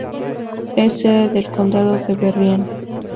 Es sede del condado de Berrien.